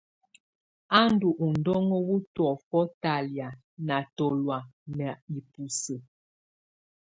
Á ndù udɔŋó wù tɔ̀ófɔ talɛ̀á ná tɔlɔ̀á ná ibusǝ́.